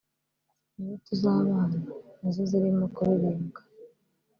niwe tuzabana nizo” zirimo kuririmbwa